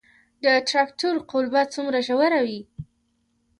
د تراکتور قلبه څومره ژوره وي؟